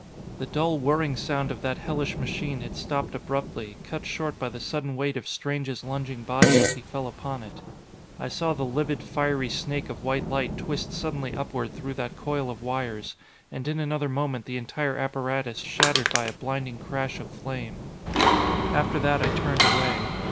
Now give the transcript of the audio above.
The dull, whirring sound of that hellish machine had stopped abruptly, cut short by the sudden weight of Strange's lunging body as he fell upon it. I saw the livid, fiery snake of white light twist suddenly upward through that coil of wires: and in another moment the entire apparatus shattered by a blinding crash of flame. After that I turned away.